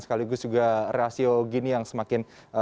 sekaligus juga rasio gini yang semakin